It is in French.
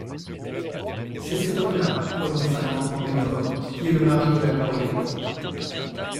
C'est cet homme-là, prononça lentement Médor, qui est le mari de la Gloriette.